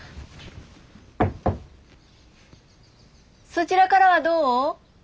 そちらからはどう？